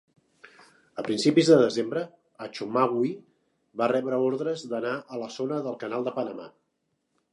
A principis de desembre, "Achomawi" va rebre ordres d'anar a la Zona del Canal de Panamà.